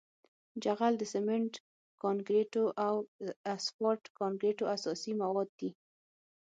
جغل د سمنټ کانکریټو او اسفالټ کانکریټو اساسي مواد دي